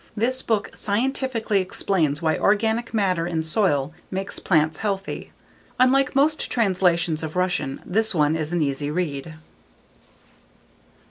This book scientifically explains why organic matter in soil makes plants healthy. Unlike most translations of Russian, this one is an easy read.